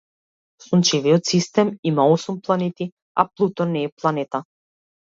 Сончевиот систем има осум планети, а Плутон не е планета.